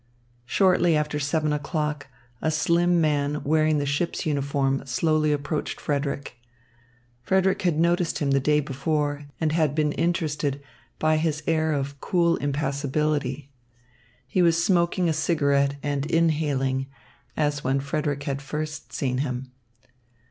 Shortly after seven o'clock, a slim man wearing the ship's uniform slowly approached Frederick. Frederick had noticed him the day before and been interested by his air of cool impassibility. He was smoking a cigarette and inhaling, as when Frederick had first seen him.